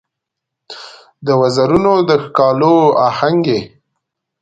د وزرونو د ښکالو آهنګ یې